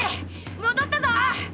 戻ったぞ！